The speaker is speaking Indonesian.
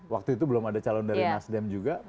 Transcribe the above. waktu itu belum ada calon dari nasdem juga